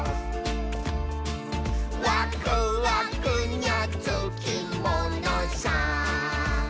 「ワクワクにゃつきものさ」